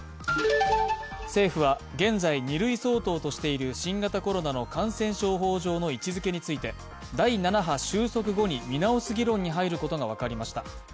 政府は現在、２類相当としている新型コロナの感染症法上の位置づけについて、第７波収束後に見直す議論に入るこが分かりました。